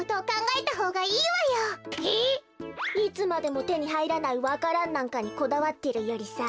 いつまでもてにはいらないわか蘭なんかにこだわってるよりさ。